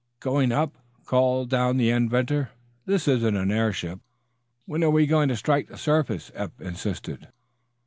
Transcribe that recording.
"Going up?" called down the inventor. "This isn't an airship." "When are we going to strike the surface?" Eph insisted.